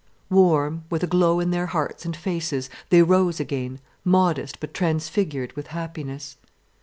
Warm, with a glow in their hearts and faces, they rose again, modest, but transfigured with happiness.